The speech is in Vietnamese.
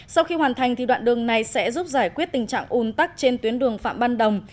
sau khi hoàn thành đoạn đường này sẽ giúp giải quyết tình trạng ùn tắc trên tuyến đường phạm ban đồng